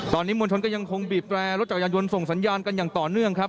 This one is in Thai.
ตอนนี้มวลชนก็ยังคงบีบแร่รถจักรยานยนต์ส่งสัญญาณกันอย่างต่อเนื่องครับ